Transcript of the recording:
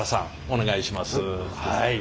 お願いします。